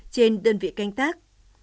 trên đơn vị canh tác